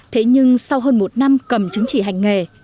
thế nhưng sau hơn một năm cầm chứng chỉ hành nghề